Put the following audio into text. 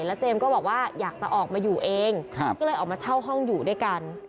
แล้วเจมส์ก็บอกว่าอยากจะออกมาอยู่เองก็เลยออกมาเช่าห้องอยู่ด้วยกัน